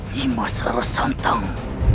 nimas rara santang